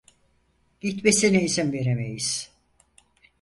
Gitmesine izin veremeyiz.